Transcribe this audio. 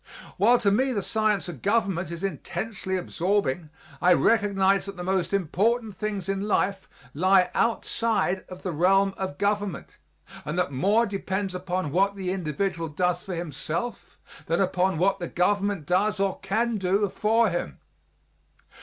While to me the science of government is intensely absorbing, I recognize that the most important things in life lie outside of the realm of government and that more depends upon what the individual does for himself than upon what the government does or can do for him.